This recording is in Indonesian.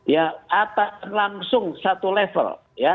ya langsung satu level